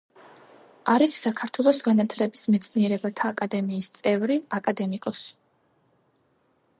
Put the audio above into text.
არის საქართველოს განათლების მეცნიერებათა აკადემიის წევრი, აკადემიკოსი.